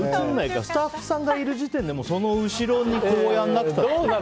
スタッフさんがいる時点でその後ろにやらなくたって。